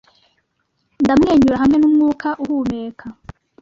Ndamwenyura hamwe numwuka uhumeka